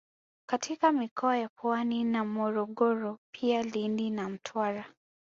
katika mikoa ya Pwani na Morogoro pia Lindi na Mtwara